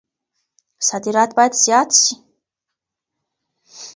صادرات بايد زيات سي.